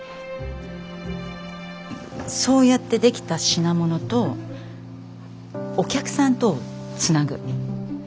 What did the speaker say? そうやって出来た品物とお客さんとをつなぐ。